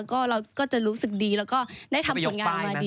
ก็เราก็จะรู้สึกดีแล้วก็ได้ทำผลงานมาดี